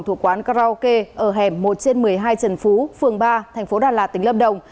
thuộc quán karaoke ở hẻm một trên một mươi hai trần phú phường ba thành phố đà lạt tỉnh lâm đồng